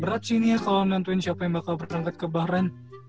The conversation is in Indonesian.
berat berat sih ini ya kalo nantuin siapa yang bakal berangkat ke bahrain